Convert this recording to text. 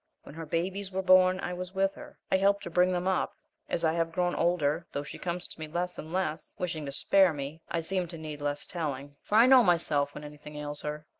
When her babies were born I was with her; I helped her bring them up; as I have grown older, though she comes to me less and less, wishing to spare me, I seem to need less telling; for I know myself when anything ails her.